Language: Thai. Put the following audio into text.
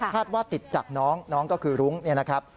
ว่าติดจากน้องน้องก็คือรุ้งเนี่ยนะครับ